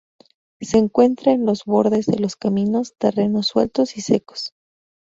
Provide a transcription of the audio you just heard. Se encuentra en los bordes de los caminos, terrenos sueltos y secos.